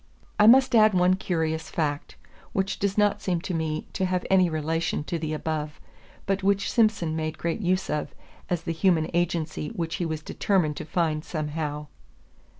I must add one curious fact, which does not seem to me to have any relation to the above, but which Simson made great use of, as the human agency which he was determined to find somehow.